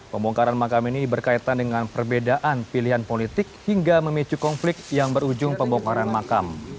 pembongkaran makam ini berkaitan dengan perbedaan pilihan politik hingga memicu konflik yang berujung pembongkaran makam